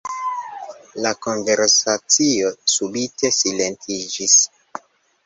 La konversacio subite silentiĝis.